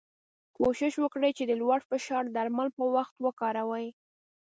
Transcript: کوښښ وکړی د لوړ فشار درمل په وخت وکاروی.